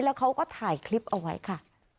แล้วเขาก็ถ่ายคลิปเอาไว้ค่ะ